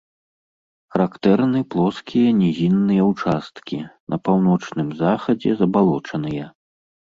Характэрны плоскія нізінныя ўчасткі, на паўночным захадзе забалочаныя.